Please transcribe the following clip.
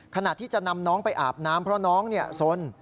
ขณะที่จะนำน้องไปอาบน้ำเพราะน้องสน